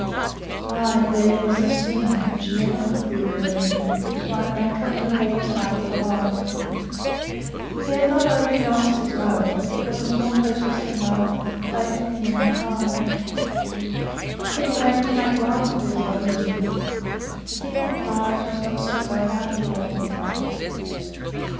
Ay, there was the sting, which never could be removed; which might rankle in the boy's heart for life. He had not only lost his love, but what is more precious than love faith in womankind. He began to make light of his losings to think the prize was not so great after all.